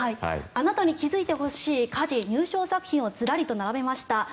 あなたに気付いてほしい家事入賞作品を並べました。